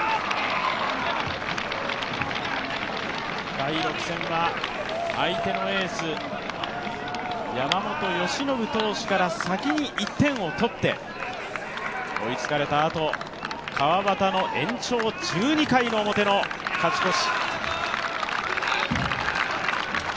第６戦は相手のエース、山本由伸投手から先に１点を取って追いつかれたあと、川端の延長１２回表の勝ち越し。